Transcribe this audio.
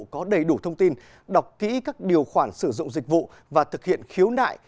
có đầy đủ thông tin đọc kỹ các điều khoản sử dụng dịch vụ và thực hiện khiếu nại